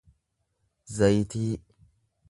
zayitii